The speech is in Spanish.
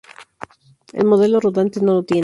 El modelo rodante no lo tiene.